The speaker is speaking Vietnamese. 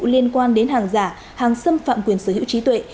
liên quan đến hàng giả hàng xâm phạm quyền sở hữu trí tuệ